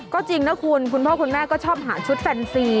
ก็จริงนะคุณคุณพ่อคุณแม่ก็ชอบหาชุดแฟนซี